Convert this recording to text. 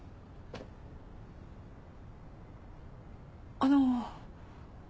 あの。